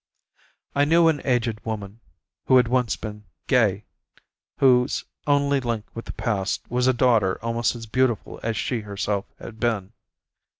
I knew an aged woman who had once been "gay," whose only link with the past was a daughter almost as beautiful as she herself had been.